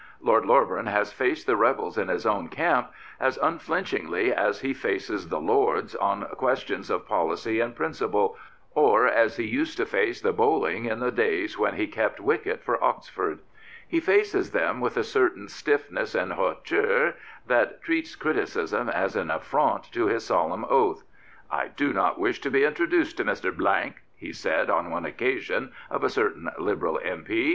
Lord Loreburn has faced the rebels in his own camp as unflinchingly as he faces the Lords on questions of policy and principle, or as he used to face the bowling in the days when he kept wicket for Oxford. He faces them with a certain stiffness and hauteur that treats criticism as an affront to his solemn oath. " I do not wish to be introduced to Mr. he said on one occasion of a certain Liberal M.P.